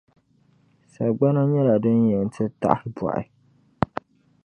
Sagbana nyɛla din yɛn ti tahibɔɣi.